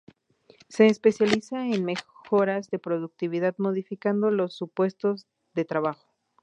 Se especializa en mejoras de productividad modificando los puestos de trabajo.